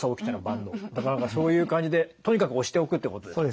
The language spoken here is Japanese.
そういう感じでとにかく押しておくってことですね。